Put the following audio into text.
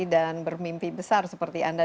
dan bermimpi besar seperti anda